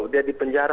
dia di penjara